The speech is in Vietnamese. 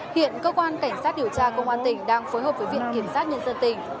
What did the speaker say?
hiện cơ quan cảnh sát điều tra công an tỉnh đang phối hợp với viện kiểm sát nhân dân tỉnh